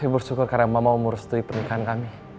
ibu syukur karena mama mau merestuin pernikahan kami